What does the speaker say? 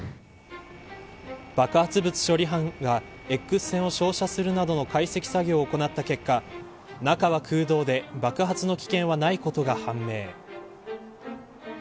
爆発物処理班がＸ線を照射するなどの解析作業を行った結果中は空洞で爆発の危険はないことが判明。